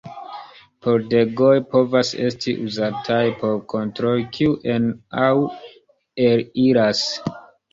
Pordegoj povas esti uzataj por kontroli kiu en- aŭ el-iras.